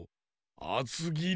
あつぎり？